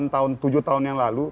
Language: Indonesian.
delapan tahun tujuh tahun yang lalu